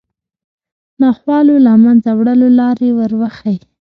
ناخوالو له منځه وړلو لارې وروښيي